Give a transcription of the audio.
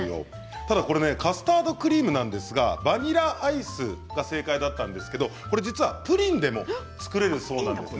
カスタードクリームはバニラアイスが正解だったんですがプリンでも作れるそうです。